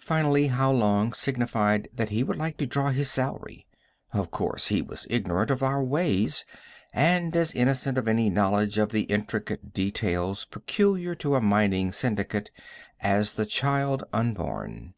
Finally, How Long signified that he would like to draw his salary. Of course he was ignorant of our ways, and as innocent of any knowledge of the intricate details peculiar to a mining syndicate as the child unborn.